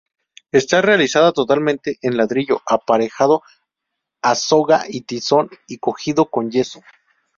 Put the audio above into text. Está realizada totalmente en ladrillo aparejado a soga y tizón y cogido con yeso.